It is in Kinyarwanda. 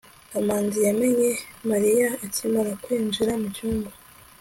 kamanzi yamenye mariya akimara kwinjira mucyumba